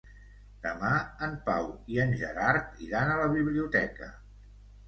Demà en Pau i en Gerard iran a la biblioteca.